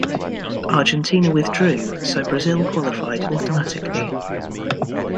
Argentina withdrew, so Brazil qualified automatically.